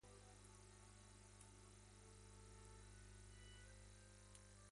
Krøyer que se halla en el Museo de Bellas Artes de Budapest.